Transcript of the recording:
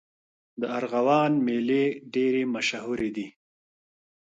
د ارغوان میلې ډېرې مشهورې دي.